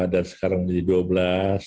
dan sekarang menjadi dua belas